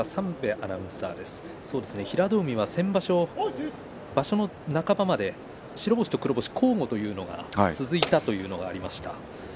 平戸海は先場所場所中程まで白星と黒星を交互というのが続いたというのがありました。